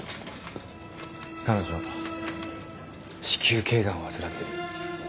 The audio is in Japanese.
彼女子宮頸がんを患ってる。